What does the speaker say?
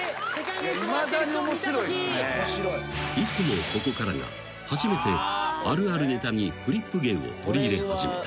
［いつもここからが初めてあるあるネタにフリップ芸を取り入れ始めた］